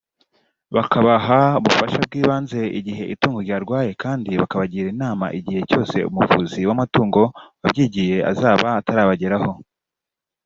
bakabaha ubufasha bw’ibanze igihe itungo ryarwaye kandi bakabagira inama igihe cyose umuvuzi w’amatungo wabyigiye azaba atarabageraho